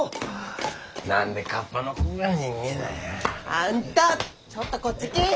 あんたちょっとこっち来ぃ！